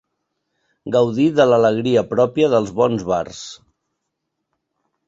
Gaudir de l'alegria pròpia dels bons bars.